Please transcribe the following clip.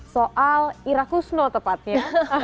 soal irakusto tepatnya